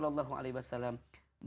man ahabba an'i yubusatullahu fi rizqa'ahum